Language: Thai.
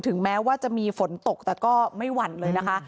ถึงแม้ว่าจะมีฝนตกแต่ก็ไม่หวั่นเลยนะคะ